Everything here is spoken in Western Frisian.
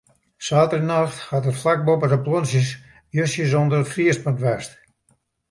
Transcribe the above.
Saterdeitenacht hat it flak boppe de planten justjes ûnder it friespunt west.